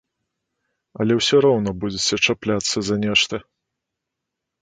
Але ўсё роўна будзеце чапляцца за нешта.